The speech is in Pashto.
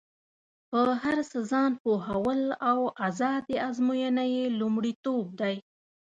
په هر څه ځان پوهول او ازادي ازموینه یې لومړیتوب دی.